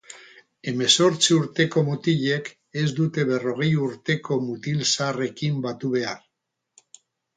Hemezortzi urteko mutilek ez dute berrogei urteko mutilzaharrekin batu behar.